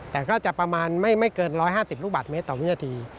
แต่ก็จะประมาณไม่เกิน๑๕๐ลูกบาทเมตรต่อวินาที